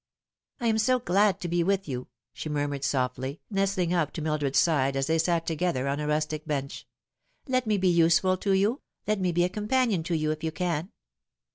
" I am so glad to be with you," she murmured softly, nestling up to Mildred's side, as they sat together on a rustic bench ;" let me be useful to you, let me be a companion to you, if you can."